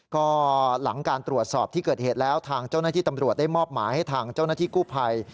ก็หลังการตรวจสอบที่เกิดเหตุแล้วทางเจ้าหน้าที่ตำรวจได้มอบหมายให้ทางเจ้าหน้าที่กู้ภัย